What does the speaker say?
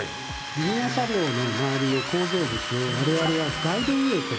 リニア車両の周りの構造物を我々は「ガイドウェイ」と。